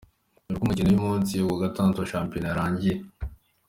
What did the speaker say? Dore uko imikino y’umunsi wa gatandatu wa shampiyona yarangiye:.